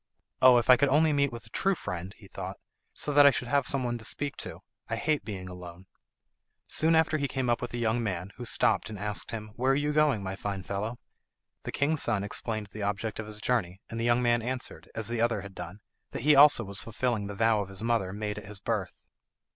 "Oh, if I could only meet with a true friend," he thought, "so that I should have some one to speak to. I hate being alone." Soon after he came up with a young man, who stopped and asked him, "Where are you going, my fine fellow?" The king's son explained the object of his journey, and the young man answered, as the other had done, that he also was fulfilling the vow of his mother made at his birth.